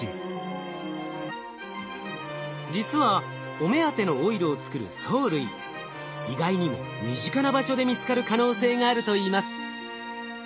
実はお目当てのオイルを作る藻類意外にも身近な場所で見つかる可能性があるといいます。